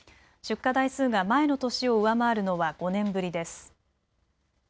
出荷台数が前の年を上回るのは５年ぶりです。